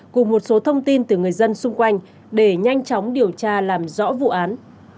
cùng một số thông tin từ người dân xung quanh để nhanh chóng điều tra làm rõ vụ án